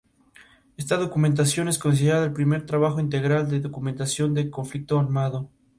Esta documentación es considerada el primer trabajo integral de documentación de un conflicto armado.